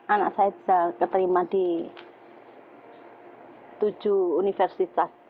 anak saya bisa keterima di tujuh universitas